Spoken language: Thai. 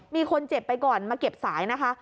มีคนเจ็บไปก่อนมาเก็บสายนะคะ